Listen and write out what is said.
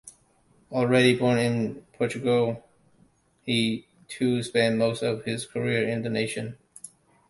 Already born in Portugal, he too spent most of his career in the nation.